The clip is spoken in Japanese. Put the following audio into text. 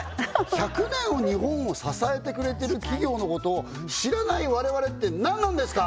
１００年を日本を支えてくれてる企業のことを知らない我々って何なんですか！